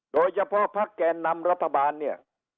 โดยเฉพาะพักแก่นำรัฐบาลเนี่ย